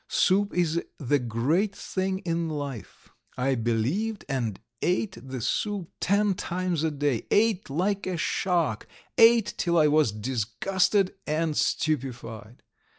Soup is the great thing in life!' I believed, and ate the soup ten times a day, ate like a shark, ate till I was disgusted and stupefied.